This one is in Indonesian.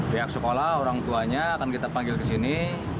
pihak sekolah orang tuanya akan kita panggil ke sini